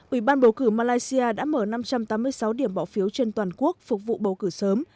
ủy ban bầu cử malaysia đã mở năm trăm tám mươi sáu điểm bỏ phiếu trên toàn quốc phục vụ bầu cử sớm